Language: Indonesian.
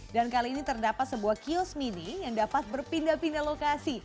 dan kali ini terdapat sebuah kios mini yang dapat berpindah pindah lokasi